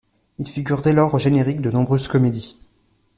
Il figure dès lors au générique de nombreuses comédies.